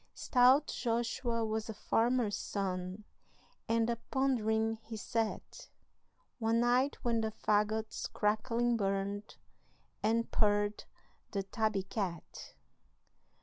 Stout Joshua was a farmer's son, And a pondering he sat One night when the fagots crackling burned, And purred the tabby cat.